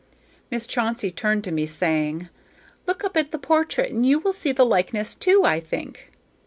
Miss Chauncey turned to me, saying, "Look up at the portrait and you will see the likeness too, I think."